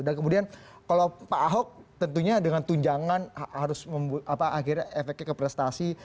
dan kemudian kalau pak ahok tentunya dengan tunjangan harus akhirnya efeknya keprestasi